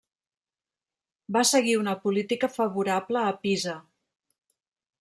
Va seguir una política favorable a Pisa.